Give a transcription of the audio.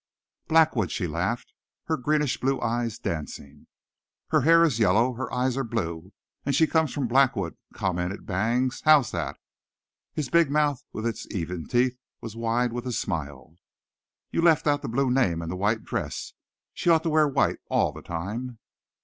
"Blackwood," she laughed, her greenish blue eyes dancing. "Her hair is yellow, her eyes are blue, and she comes from Blackwood," commented Bangs. "How's that?" His big mouth, with its even teeth, was wide with a smile. "You left out the blue name and the white dress. She ought to wear white all the time."